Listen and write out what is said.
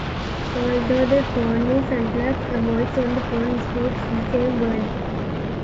Although the phone is unplugged, a voice on the phone speaks the same words.